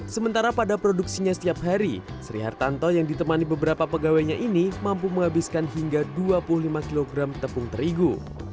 sementara pada produksinya setiap hari sri hartanto yang ditemani beberapa pegawainya ini mampu menghabiskan hingga dua puluh lima kg tepung terigu